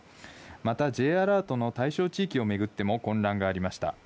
またＪアラートの対象地域を巡っても、混乱がありました。